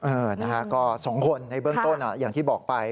เออนะฮะก็๒คนในเบื้องต้นอย่างที่บอกไป